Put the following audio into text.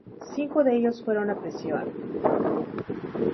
Cinco de ellos fueron a prisión.